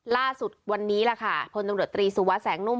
ล่าสุดวันนี้ล่ะค่ะพลตำรวจตรีสุวัสดิแสงนุ่ม